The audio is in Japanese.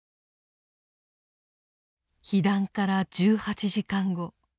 被弾から１８時間後。